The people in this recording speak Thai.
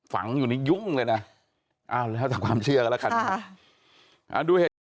ฝังอยู่ในยุ่งเลยนะอ้าวแล้วความเชื่อกันแล้วค่ะค่ะด้วย